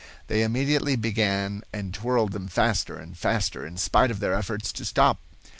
They immediately began and twirled them faster and faster, in spite of their efforts to stop.